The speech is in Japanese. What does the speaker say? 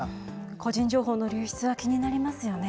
個人情報の流出は気になりますよね。